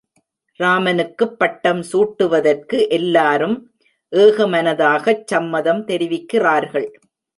ராமனுக்குப் பட்டம் சூட்டுவதற்கு எல்லாரும் ஏகமனதாகச் சம்மதம் தெரிவிக்கிறார்கள்.